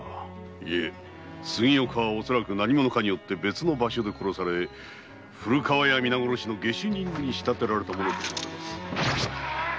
いえ杉岡は何者かによって別の場所で殺され古河屋皆殺しの下手人に仕立てられたものと思われます。